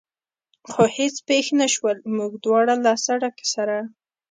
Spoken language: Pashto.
خو هېڅ پېښ نه شول، موږ دواړه له سړک سره.